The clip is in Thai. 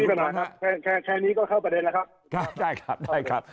เพราะแค่นี้ก็เข้าประเด็นล่ะครับ